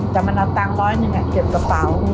แต่มันเอาตังค์ร้อยหนึ่งเก็บกระเป๋า